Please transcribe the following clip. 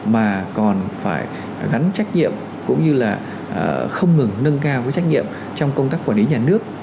mà còn phải gắn trách nhiệm cũng như là không ngừng nâng cao trách nhiệm trong công tác quản lý nhà nước